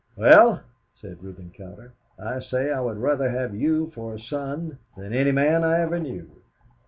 "Well," said Reuben Cowder, "I say I would rather have you for a son than any man I ever knew."